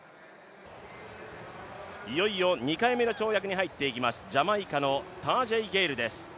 いよいよ２回目の跳躍に入っていきます、ジャマイカのタージェイ・ゲイルです。